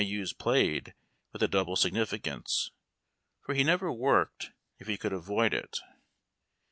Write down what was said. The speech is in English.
I use played with a double significance, for he never worked if he could avoid it.